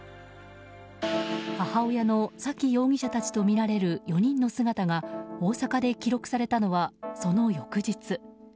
母親の沙喜容疑者たちとみられる４人の姿が大阪で記録されたのはその翌日。